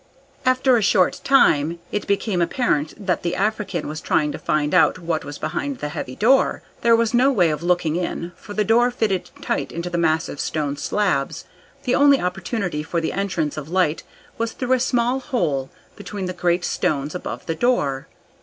After a short time it became apparent that the African was trying to find out what was behind the heavy door. There was no way of looking in, for the door fitted tight into the massive stone slabs. The only opportunity for the entrance of light was through a small hole between the great stones above the door.